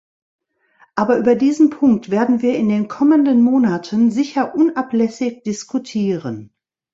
Aber über diesen Punkt werden wir in den kommenden Monaten sicher unablässig diskutieren.